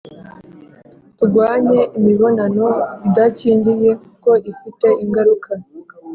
Tugwanye imibonano idakingiye kuko ifite ingaruka